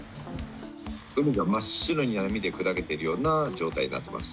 海が真っ白に波で砕けているような状態になってます。